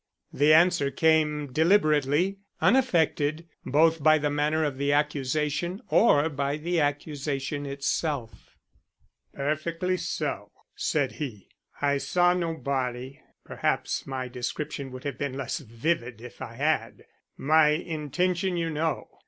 The answer came deliberately, unaffected both by the manner of the accusation or by the accusation itself. "Perfectly so," said he, "I saw no body. Perhaps my description would have been less vivid if I had. My intention you know.